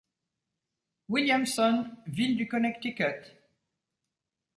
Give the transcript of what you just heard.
Williamson, ville du Connecticut.